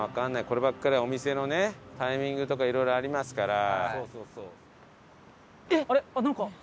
こればっかりはお店のねタイミングとかいろいろありますから。